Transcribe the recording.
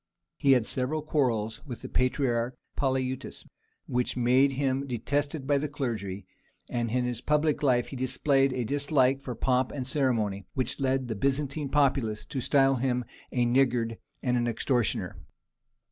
He had several quarrels with the patriarch Polyeuctus, which made him detested by the clergy, and in his public life he displayed a dislike for pomp and ceremony which led the Byzantine populace to style him a niggard and an extortioner.